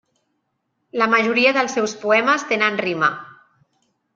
La majoria dels seus poemes tenen rima.